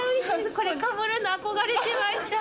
これかぶるの憧れてました。